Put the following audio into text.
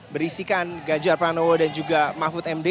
berisikan ganjar pranowo dan juga mahfud md